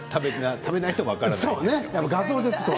食べないと分からない。